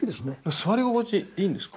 座り心地いいんですか？